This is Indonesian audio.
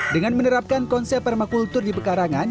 dengan menerapkan konsep permakultur di pekarangan